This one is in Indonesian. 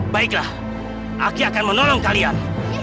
baiklah aki akan menolong kalian